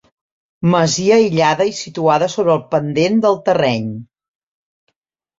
Masia aïllada i situada sobre el pendent del terreny.